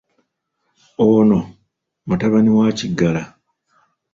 ONO mutabani wa Kiggala.